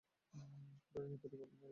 ফোঁটা রয়েছে তৈরি, কপাল মেরেছে দৌড়।